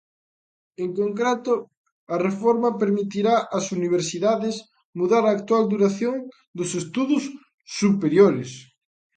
En concreto, a reforma permitirá ás universidades mudar a actual duración dos estudos superiores.